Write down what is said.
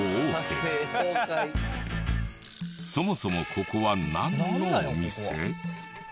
そもそもここはなんのお店？